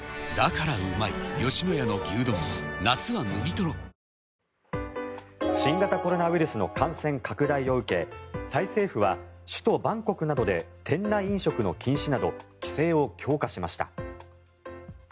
ただ、５Ｇやポスト５Ｇで新型コロナウイルスの感染拡大を受けタイ政府は首都バンコクなどで店内飲食の禁止など規制を強化しました。